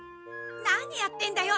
何やってんだよ